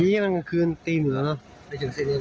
นี่ยังกลางกายคืนตีเหงือนักหรอ